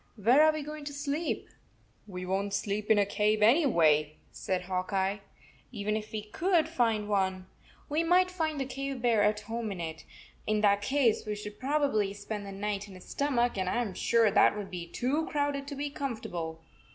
Where are we going to sleep ?" "We won t sleep in a cave anyway," said Hawk Eye, "even if we could find one. We might find the cave bear at home in it. In that case, we should probably 63 spend the night in his stomach, and I am sure that would be too crowded to be com fortable."